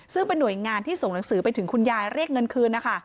ซึ่งเป็นหน่วยงานที่ส่งหนังสือไปถึงคุณยายเรียกเงินคืนนะคะ